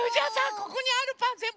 ここにあるパンぜんぶ